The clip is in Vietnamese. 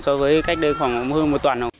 so với cách đây khoảng hơn một tuần